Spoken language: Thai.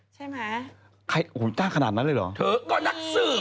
จ้างขนาดนั้นเลยเหรอ